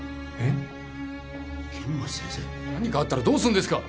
何かあったらどうするんですか？